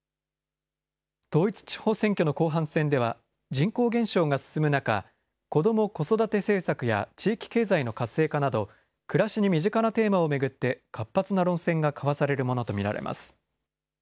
統一地方選挙の後半戦では、人口減少が進む中、子ども・子育て政策や、地域経済の活性化など、暮らしに身近なテーマを巡って、活発な論戦が交わされるものと見られます。